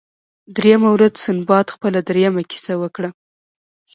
دریمه ورځ سنباد خپله دریمه کیسه وکړه.